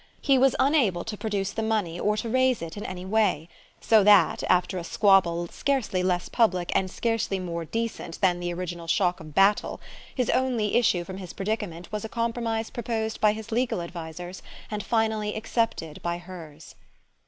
He was unable to produce the money or to raise it in any way; so that after a squabble scarcely less public and scarcely more decent than the original shock of battle his only issue from his predicament was a compromise proposed by his legal advisers and finally accepted by hers.